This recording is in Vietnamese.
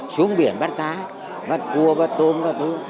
xuống biển bắt cá bắt cua bắt tôm bắt thứ